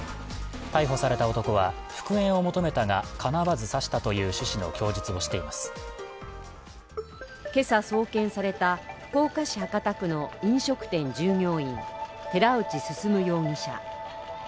逮捕された男は復縁を求めたがかなわず刺したという趣旨の今朝送検された福岡県博多区の飲食店従業員寺内進容疑者。